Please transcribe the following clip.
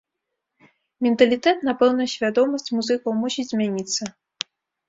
Менталітэт, напэўна, свядомасць музыкаў мусіць змяніцца.